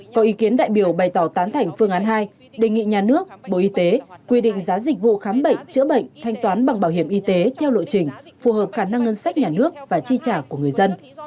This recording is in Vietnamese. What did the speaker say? có ý kiến đại biểu bày tỏ tán thành phương án hai đề nghị nhà nước bộ y tế quy định giá dịch vụ khám bệnh chữa bệnh thanh toán bằng bảo hiểm y tế theo lộ trình phù hợp khả năng ngân sách nhà nước và chi trả của người dân